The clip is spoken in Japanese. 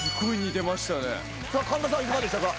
さあ神田さんいかがでしたか？